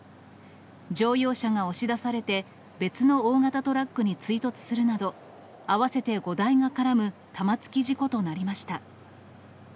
乗用車が押し出されて、別の大型トラックに追突するなど、合わせて５台が絡む玉突き事故となりました。